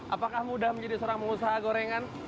apakah mudah menjadi seorang pengusaha gorengan